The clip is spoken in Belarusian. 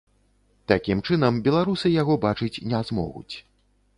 Такім чынам, беларусы яго бачыць не змогуць.